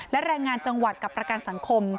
และแรงงานจังหวัดกับประกันสังคม